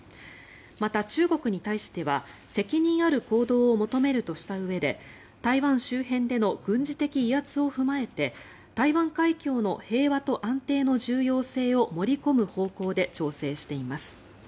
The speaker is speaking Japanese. また、中国に対しては責任ある行動を求めるとしたうえで台湾周辺での軍事的威圧を含めて台湾海峡の平和と安定の重要性を盛り込む方向で調整しています。